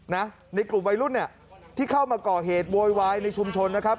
ในกลุ่มวัยรุ่นเนี่ยที่เข้ามาก่อเหตุโวยวายในชุมชนนะครับ